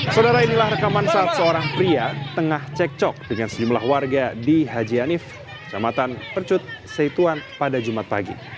saudara inilah rekaman saat seorang pria tengah cekcok dengan sejumlah warga di haji hanif jamatan percut setuan pada jumat pagi